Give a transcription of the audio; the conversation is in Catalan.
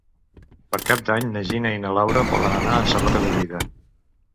Per Cap d'Any na Gina i na Laura volen anar a Sarroca de Lleida.